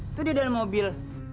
itu dia dalam mobil